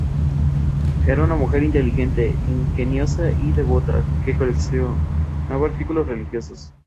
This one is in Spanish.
Era una mujer inteligente, ingeniosa y devota, que coleccionaba artículos religiosos.